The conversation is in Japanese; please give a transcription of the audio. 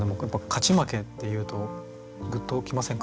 勝ち負けっていうとグッときませんか？